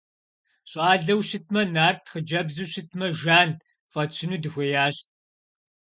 Щӏалэу щытмэ Нарт, хъыджэбзу щытмэ Жан фӏэтщыну дыхуеящ.